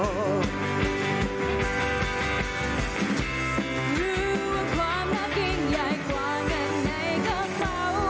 รู้ว่าความรักกินใหญ่กว่าเงินในกระเป๋า